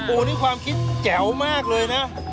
โอ้โหนี่ความคิดแจ๋วมากเลยนะ